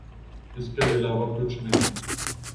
اس کے علاوہ کچھ نہیں۔